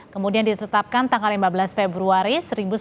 kemudian ditetapkan tanggal lima belas februari seribu sembilan ratus empat puluh